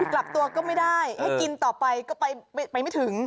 กลับตัวก็ไม่ได้ให้กินต่อไปก็ไปไม่ถึง